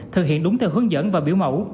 thực hiện đúng theo hướng dẫn và biểu mẫu